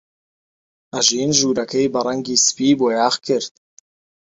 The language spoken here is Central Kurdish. ئەژین ژوورەکەی بە ڕەنگی سپی بۆیاغ کرد.